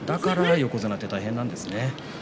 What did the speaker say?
横綱って大変なんですね。